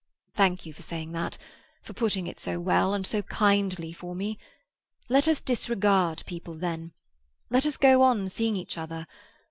"Thank you for saying that—for putting it so well, and so kindly for me. Let us disregard people, then. Let us go on seeing each other.